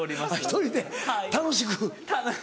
１人で楽しく。